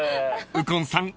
［右近さん